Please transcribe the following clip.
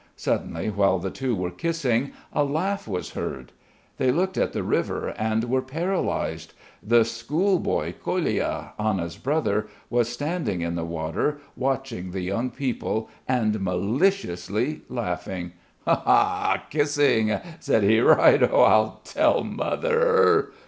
Suddenly, while the two were kissing, a laugh was heard. They looked at the river and were paralysed. The schoolboy Kolia, Anna's brother, was standing in the water, watching the young people and maliciously laughing. "Ah ha! Kissing!" said he. "Right O, I'll tell Mother."